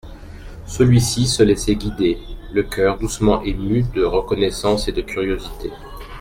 Celui-ci se laissait guider, le coeur doucement ému de reconnaissance et de curiosité.